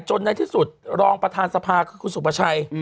จนในที่สุดรองประธานสภาคุณสุปชัย